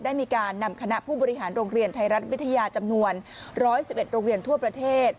ได้มีการนำคณะผู้บริหารโรงเรียนไทยรัฐวิทยาจำนวน๑๑๑โรงเรียนทั่วประเทศ